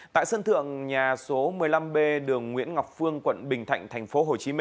tại sân thượng nhà số một mươi năm b đường nguyễn ngọc phương quận bình thạnh tp hcm